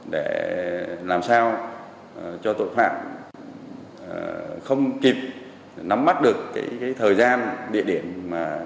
để làm sao cho tội phạm không kịp nắm mắt được thời gian địa điểm